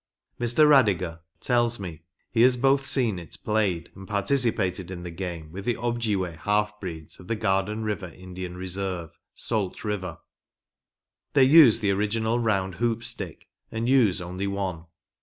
Mr. Radiger tells me he has both seen it played and participated in the game with the Objiway half breeds of the Garden River Indian Reserve, Sault River. They use the original lound hoop stick, and use only one.